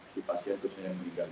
si pasien itu sehingga meninggal